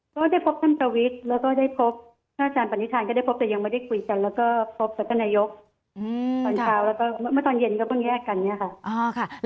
ก็ได้พบท่านประวิทย์แล้วก็ได้พบพระอาจารย์ปณิธานก็ได้พบแต่ยังไม่ได้คุยกันแล้วก็พบกับท่านนายกตอนเช้าแล้วก็เมื่อตอนเย็นก็เพิ่งแยกกันเนี่ยค่ะ